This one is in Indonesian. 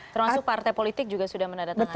termasuk partai politik juga sudah menandatangani